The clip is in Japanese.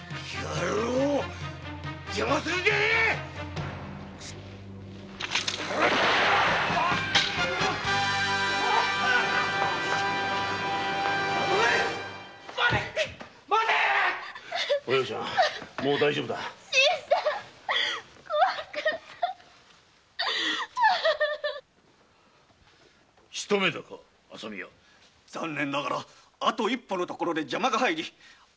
残念ながらあと一歩のところで邪魔が入り申し訳ございません。